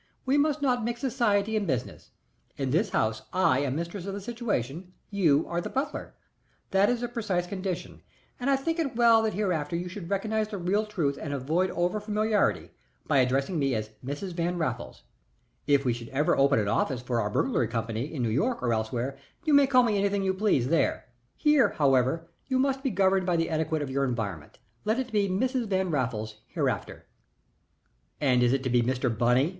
"We must not mix society and business. In this house I am mistress of the situation; you are the butler that is the precise condition, and I think it well that hereafter you should recognize the real truth and avoid over familiarity by addressing me as Mrs. Van Raffles. If we should ever open an office for our Burglary Company in New York or elsewhere you may call me anything you please there. Here, however, you must be governed by the etiquette of your environment. Let it be Mrs. Van Raffles hereafter." "And is it to be Mr. Bunny?"